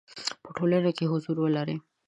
په ټولنه کې حضور ولري.